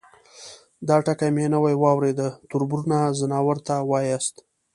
_دا ټکی مې نوی واورېد، تربرونه ، ځناورو ته واياست؟